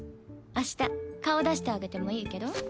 明日顔出してあげてもいいけど？